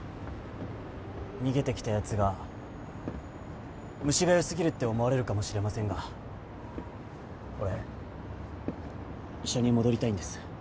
逃げてきたやつが虫がよすぎるって思われるかもしれませんが俺医者に戻りたいんです。